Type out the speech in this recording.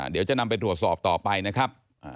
เดี๋ยวจะนำไปตรวจสอบต่อไปนะครับ